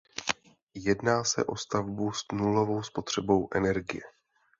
Jedná se o stavbu s nulovou spotřebou energie.